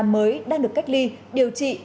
mới đang được cách ly điều trị